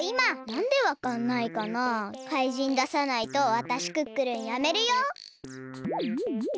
なんでわかんないかな。かいじんださないとわたしクックルンやめるよ？